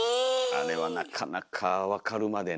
あれはなかなか分かるまでね。